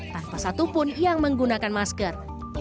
tanpa satupun yang menggunakan masker